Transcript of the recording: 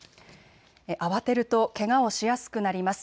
慌てるとけがをしやすくなります。